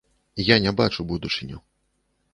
Я не бачу будучыню.